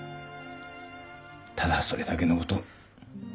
ただそれだけのこと。